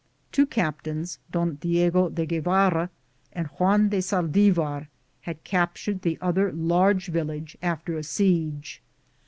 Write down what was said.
Two captains, Don Diego de Guevara and Juan de Saldivar, bad captured the other large village after a siege.